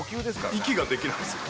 息ができないんすよ